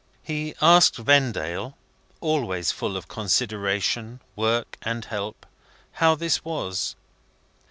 He asked Vendale (always full of consideration, work, and help) how this was?